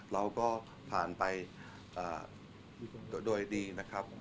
เราก็ผ่านไปโดยดีนะครับ